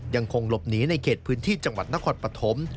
ยังคงหลบหนีในเขตพื้นที่จังหวัดนครปฐม